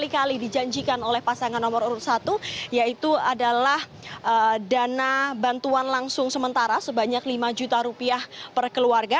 kali dijanjikan oleh pasangan nomor urut satu yaitu adalah dana bantuan langsung sementara sebanyak lima juta rupiah per keluarga